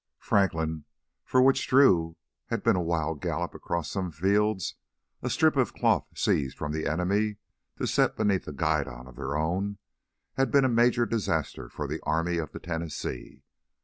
Franklin, which for Drew had been a wild gallop across some fields, a strip of cloth seized from the enemy to set beneath a guidon of their own, had been a major disaster for the Army of the Tennessee.